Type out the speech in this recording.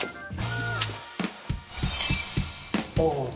お。